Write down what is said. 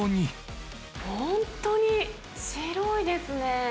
本当に白いですね。